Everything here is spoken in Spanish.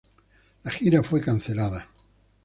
La gira fue cancelada.